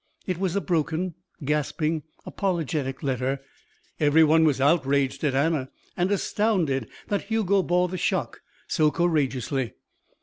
It was a broken, gasping, apologetic letter. Every one was outraged at Anna and astounded that Hugo bore the shock so courageously.